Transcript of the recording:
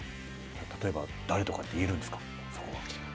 例えば誰とかって言えるんですか。